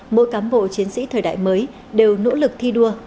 mỗi cán bộ chiến sĩ thời đại mới đều nỗ lực thi đua